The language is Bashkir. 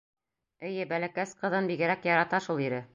Эйе, бәләкәс ҡыҙын бигерәк ярата шул ире.